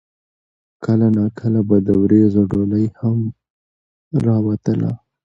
کله نا کله به د وريځو ډولۍ هم راوتله